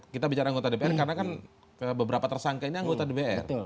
kita bicara anggota dpr karena kan beberapa tersangka ini anggota dpr